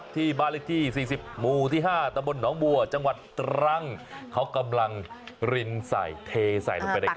แต่มีอีกที่หนึ่งที่เขาบอกว่า